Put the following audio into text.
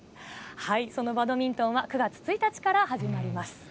そのバドミントンは、９月１日から始まります。